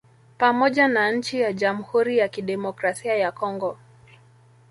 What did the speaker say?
Pamoja na nchi ya Jamhuri ya Kidemokrasia ya Congo